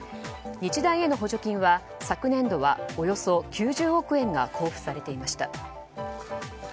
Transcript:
日大への補助金は昨年度はおよそ９０億円が交付されていました。